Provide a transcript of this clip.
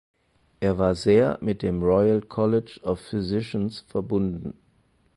Er war sehr mit dem Royal College of Physicians verbunden.